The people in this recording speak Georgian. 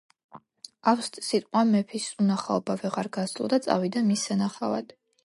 ავსიტყვამ მეფის უნახაობა ვეღარ გასძლო და წავიდა მის სანახავად.